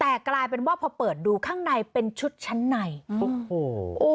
แต่กลายเป็นว่าพอเปิดดูข้างในเป็นชุดชั้นในโอ้โห